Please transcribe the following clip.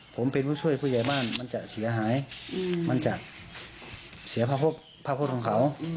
ผมเป็นผู้ช่วยผู้ใหญ่บ้านมันจะเสียหายมันจะเสียพระพุทธของเขา